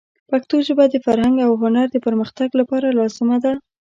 پښتو ژبه د فرهنګ او هنر د پرمختګ لپاره لازمه ده.